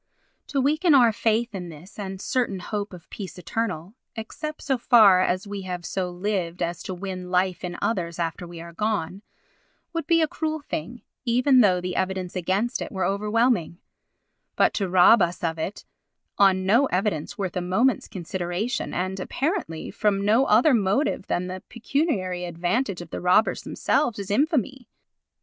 To weaken our faith in this sure and certain hope of peace eternal (except so far as we have so lived as to win life in others after we are gone) would be a cruel thing, even though the evidence against it were overwhelming, but to rob us of it on no evidence worth a moment's consideration and, apparently, from no other motive than the pecuniary advantage of the robbers themselves is infamy.